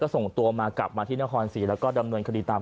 ส่งตัวมากลับมาที่นครศรีแล้วก็ดำเนินคดีตาม